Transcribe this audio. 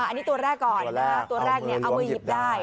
อันนี้ตัวแรกก่อนตัวแรกเอามือหยิบได้